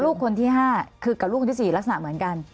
ลูกคนที่๕คือกับลูกคนที่๔ลักษณะเหมือนกัน